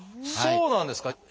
あっそうなんですか？